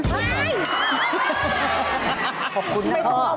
เดี๋ยวหลิง